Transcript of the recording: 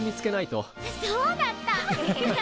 そうだった！